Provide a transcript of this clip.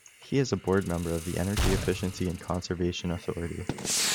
He is a board member of the Energy Efficiency and Conservation Authority.